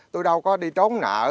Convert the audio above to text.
tôi đâu có đi trốn nạ